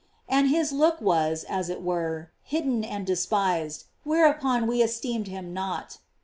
"And his look was, as it were, hidden and despised, whereupon we esteemed him not."